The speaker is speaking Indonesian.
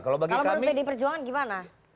kalau menurut pdi perjuangan gimana